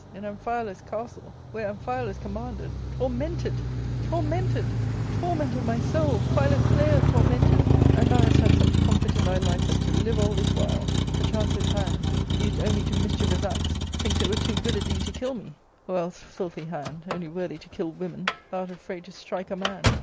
in Am phialus* castle, where Amphialus commanded— tormented ! tormented ! Torment of my soul ! Philoclea tormented ! and thou hast had such comfort in thy life as to live all this while ! Perchance this hand, used only to mischievous acts, thinks it were too good a deed to kill me ; or else, filthy hand, only worthy to kill women, thou art afraid to strike a man.